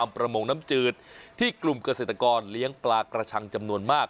ประมงน้ำจืดที่กลุ่มเกษตรกรเลี้ยงปลากระชังจำนวนมาก